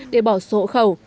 để bỏ số hộ khẩu